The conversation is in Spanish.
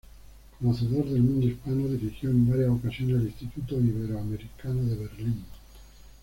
Conocedor del mundo hispano, dirigió en varias ocasiones el Instituto Ibero-Americano de Berlín.